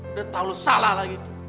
udah tau salah lah gitu